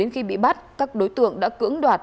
khi bị bắt các đối tượng đã cưỡng đoạt